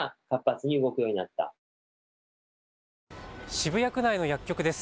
渋谷区内の薬局です。